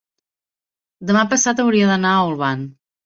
demà passat hauria d'anar a Olvan.